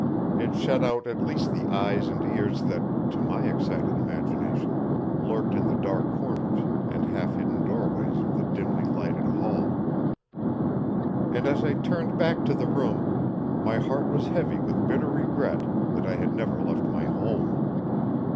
It shut out at least the eyes and ears that, to my excited imagination, lurked in the dark corners and half hidden doorways of the dimly lighted hall. And as I turned back to the room my heart was heavy with bitter regret that I had ever left my home.